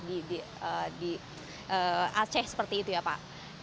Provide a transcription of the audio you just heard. di aceh seperti itu ya pak